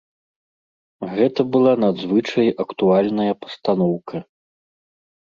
Гэта была надзвычай актуальная пастаноўка.